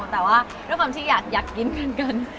แต่ว่าด้วยความที่อยากกินเกิน